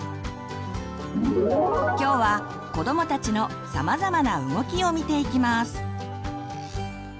今日は子どもたちのさまざまな「動き」を見ていきます。